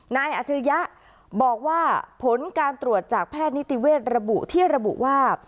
อัจฉริยะบอกว่าผลการตรวจจากแพทย์นิติเวทย์ระบุที่ระบุว่า